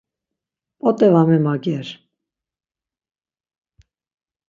P̌ot̆e var memager?